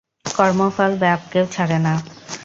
কর্মফল বাপকেও ছাড়ে না।